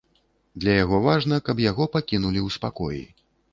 Для яго важна, каб яго пакінулі ў спакоі.